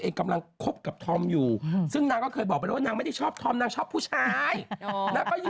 นางคิดแบบว่าไม่ไหวแล้วไปกด